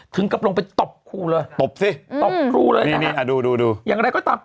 ถึงกระโปรงไปตบครูเลยตบสิตบครูเลยนี่นี่อ่ะดูดูดูอย่างไรก็ตาม